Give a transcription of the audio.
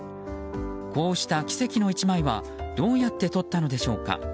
こうした奇跡の一枚はどうやって撮ったのでしょうか。